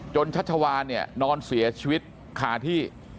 ชัชวานเนี่ยนอนเสียชีวิตคาที่